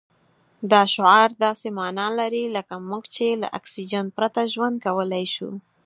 دا شعار داسې مانا لري لکه موږ چې له اکسجن پرته ژوند کولای شو.